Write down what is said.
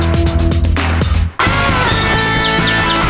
แล้วก็จะเป็นวันศูนย์ที่๒๘ตุลาคม